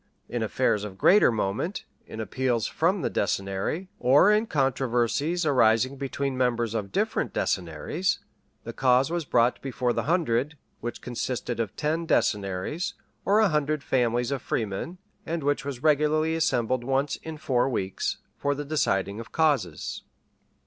In affairs of greater moment, in appeals from the decennary, or in controversies arising between members of different decennaries, the cause was brought before the hundred, which consisted of ten decennaries, or a hundred families of freemen, and which was regularly assembled once in four weeks, for the deciding of causes.